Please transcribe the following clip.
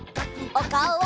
おかおを！